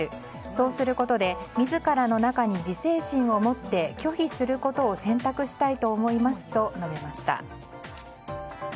そうすることで自らの中に自制心を持って拒否することを選択したいと思いますと述べました。